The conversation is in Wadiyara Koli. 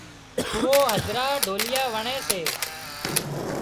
ڦوئو هڌرا ڍوليئا وڻي سي